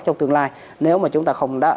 trong tương lai nếu mà chúng ta không